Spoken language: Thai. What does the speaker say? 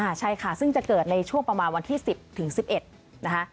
ใช่ค่ะซึ่งจะเกิดในช่วงประมาณวันที่๑๐ถึง๑๑นะคะ